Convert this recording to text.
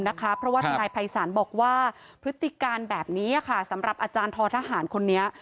เพราะว่าทนายภัยศาลบอกว่าพฤติการแบบนี้สำหรับอาจารย์ทอทหารคนนี้